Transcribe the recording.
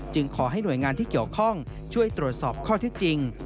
ขอให้หน่วยงานที่เกี่ยวข้องช่วยตรวจสอบข้อเท็จจริง